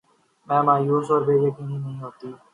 میں مایوسی اور بے یقینی نہیں ہوتی